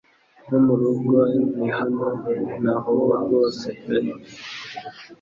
no murugo. Ni Hano na hano rwose pe